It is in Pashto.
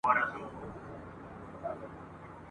د بازانو د مرغانو ننداره وه ..